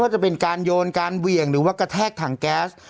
จะเป็นการโยนการเหวี่ยงหรือว่ากระแทกถังแก๊ส